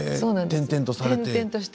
転々とされて。